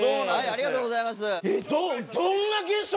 ありがとうございます。